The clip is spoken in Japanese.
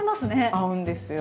合うんですよ。